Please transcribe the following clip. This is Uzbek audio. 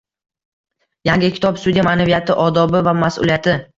Yangi kitob: "Sudya ma’naviyati, odobi va mas’uliyati"